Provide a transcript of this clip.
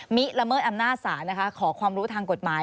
ละเมิดอำนาจศาลนะคะขอความรู้ทางกฎหมาย